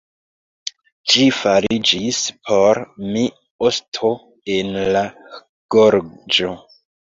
Ĝi fariĝis por mi osto en la gorĝo.